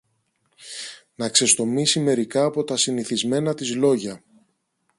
να ξεστομίσει μερικά από τα συνηθισμένα της λόγια.